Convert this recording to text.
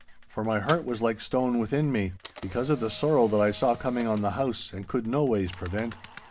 For my heart was like stone within me, because of the sorrow that I saw coming on the house and could noways prevent.